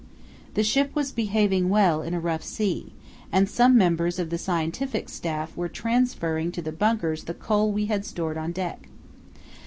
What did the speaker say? The ship was behaving well in a rough sea, and some members of the scientific staff were transferring to the bunkers the coal we had stowed on deck.